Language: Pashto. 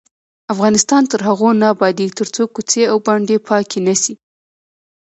افغانستان تر هغو نه ابادیږي، ترڅو کوڅې او بانډې پاکې نشي.